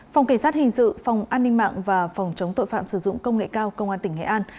phòng cảnh sát hình sự phòng an ninh mạng và phòng chống tội phạm sử dụng công nghệ cao công an tỉnh nghệ an